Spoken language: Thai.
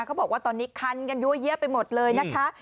เขาบอกว่าตอนนี้คันกันเยอะแยะไปหมดเลยนะคะ